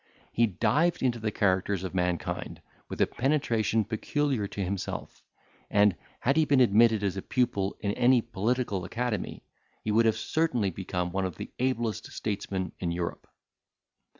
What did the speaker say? —He dived into the characters of mankind, with a penetration peculiar to himself, and, had he been admitted as a pupil in any political academy, would have certainly become one of the ablest statesmen in Europe.